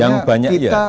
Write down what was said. yang banyak ya